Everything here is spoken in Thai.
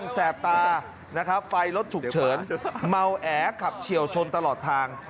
แสบตานะครับไฟรถฉุกเฉินเมาแอขับเฉียวชนตลอดทาง